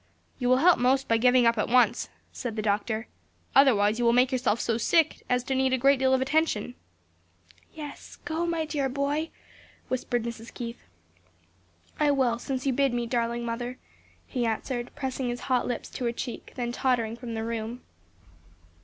"You will help most by giving up at once," said the doctor; "otherwise you will make yourself so sick as to need a great deal of attention." "Yes, go, my dear boy," whispered Mrs. Keith. "I will, since you bid me, darling mother," he answered, pressing his hot lips to her cheek, then tottering from the room.